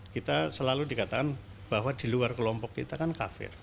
kita selalu dikatakan bahwa di luar kelompok kita kan kafir